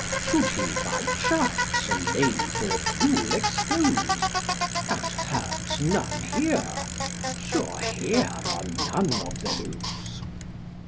Should he by chance a knave or fool expose, That hurts none here, sure here are none of those.